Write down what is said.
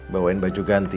bawain baju ganti